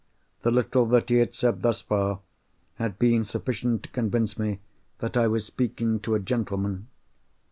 The little that he had said, thus far, had been sufficient to convince me that I was speaking to a gentleman.